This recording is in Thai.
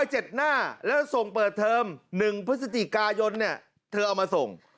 หน้าแล้วส่งเปิดเทอม๑พฤศจิกายนเนี่ยเธอเอามาส่ง